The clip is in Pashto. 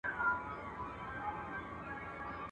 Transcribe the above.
هولکي د وارخطا ورور دئ.